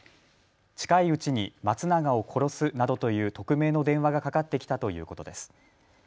近いうちに松永を殺すなどという匿名の電話がかかってきたということです。